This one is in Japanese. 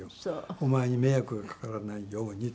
お前に迷惑がかからないようにと。